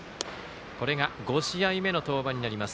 これが５試合目の登板になります。